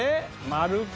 丸く？